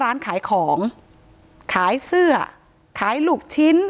ถ้าใครอยากรู้ว่าลุงพลมีโปรแกรมทำอะไรที่ไหนยังไง